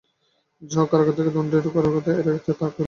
যাহোক কারাগার আর দণ্ডের খড়্গ এড়াতে তাঁকেও আইনি লড়াই লড়তে হয়েছে।